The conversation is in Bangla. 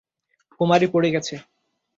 কুমরি পড়ে গেছে!